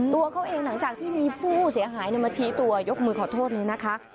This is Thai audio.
ตัวเขาเองหลังจากที่มีผู้เสียหายมาชี้ตัวยกมือขอโทษเลยนะคะ